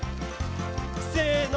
せの！